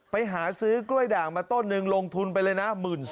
ไปหาซื้อกล้วยด่างมาต้นหนึ่งลงทุนไปเลยนะ